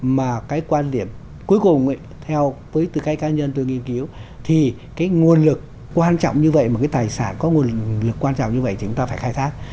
mà cái quan điểm cuối cùng ấy theo với tư cách cá nhân tôi nghiên cứu thì cái nguồn lực quan trọng như vậy mà cái tài sản có nguồn lực quan trọng như vậy thì chúng ta phải khai thác